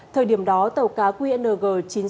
thời điểm đó tàu cá qng chín mươi sáu nghìn sáu mươi tám